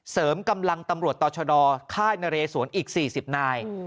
กำลังตำรวจต่อชดค่ายนเรสวนอีก๔๐นาย